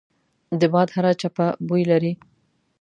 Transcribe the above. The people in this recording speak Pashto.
د باد هره چپه بوی لري